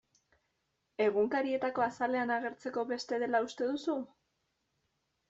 Egunkarietako azalean agertzeko beste dela uste duzu?